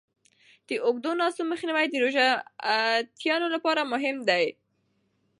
د اوږدو ناستو مخنیوی د روژهتیانو لپاره مهم دی.